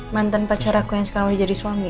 mantan pacar aku yang sekarang jadi suami